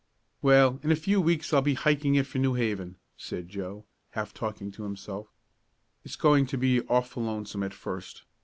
"Well, in a few weeks I'll be hiking it for New Haven," said Joe, half talking to himself. "It's going to be awful lonesome at first.